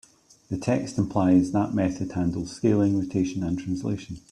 The text implies that method handles scaling, rotation, and translation.